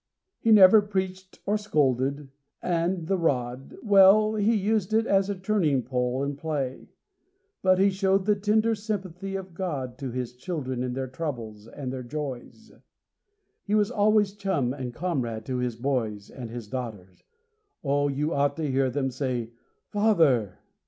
He never preached or scolded; and the rod— Well, he used it as a turning pole in play. But he showed the tender sympathy of God To his children in their troubles, and their joys. He was always chum and comrade with his boys, And his daughters—oh, you ought to hear them say 'Father.